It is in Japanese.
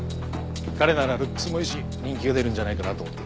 彼ならルックスもいいし人気が出るんじゃないかなと思って。